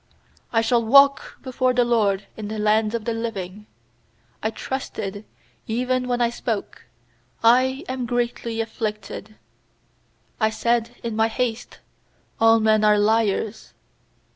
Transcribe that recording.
9I shall walk before the LORD In the lands of the living. 10I trusted even when I spoke: 'I am greatly afflicted.' UI said in my haste: 'All men are liars.'